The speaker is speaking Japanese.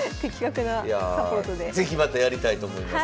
是非またやりたいと思います。